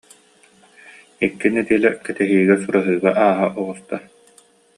Икки нэдиэлэ кэтэһиигэ, сураһыыга ааһа оҕуста